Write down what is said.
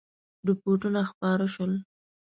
رپوټونه خپاره شول.